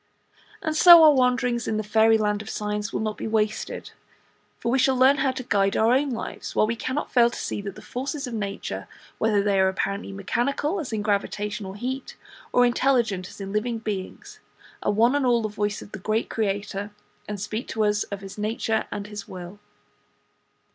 And so our wanderings in the Fairy land of Science will not be wasted, for we shall learn how to guide our own lives, while we cannot fail to see that the forces of nature, whether they are apparently mechanical, as in gravitation or heat; or intelligent, as in living beings, are one and all the voice of the Great Creator, and speak to us of His Nature and His Will.